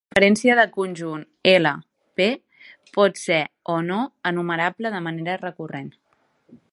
La diferència de conjunt "L" - "P" pot ser o no enumerable de manera recurrent.